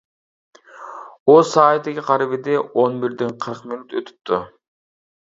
ئۇ سائىتىگە قارىۋىدى، ئون بىردىن قىرىق مىنۇت ئۆتۈپتۇ.